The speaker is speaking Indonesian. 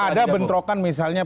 apa ada bentrokan misalnya